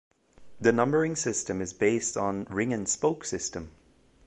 The numbering system is based on "ring and spoke" system.